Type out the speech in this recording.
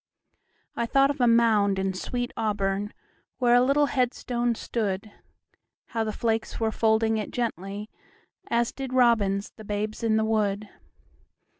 I thought of a mound in sweet AuburnWhere a little headstone stood; How the flakes were folding it gently, As did robins the babes in the wood.